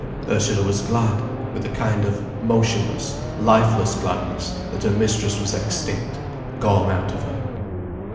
Ursula was glad, with a kind of motionless, lifeless gladness, that her mistress was extinct, gone out of her.